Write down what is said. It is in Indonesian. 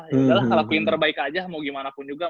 yaudah lah lakuin terbaik aja mau gimana pun juga